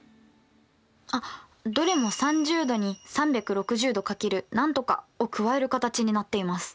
あっどれも３０°に３６０°×なんとかを加える形になっています。